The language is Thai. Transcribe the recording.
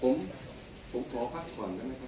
คุณท่านหวังว่าประชาธิบัตรา๔๔